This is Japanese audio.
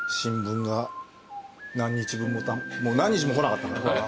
もう何日も来なかったからね。